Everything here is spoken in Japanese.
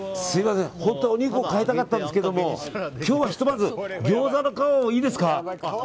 すみません、本当はお肉も買いたかったんですけど今日はひとまずギョーザの皮をいいですか？